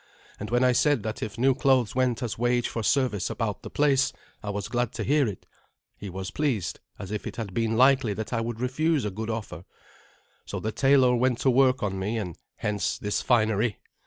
And when I said that if new clothes went as wage for service about the place I was glad to hear it, he was pleased, as if it had been likely that I would refuse a good offer. So the tailor went to work on me, and hence this finery.